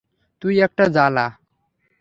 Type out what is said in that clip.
তুই একটা জ্বালা!